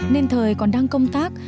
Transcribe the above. nên thời còn đang công tác